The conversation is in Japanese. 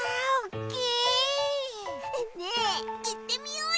ねえいってみようよ！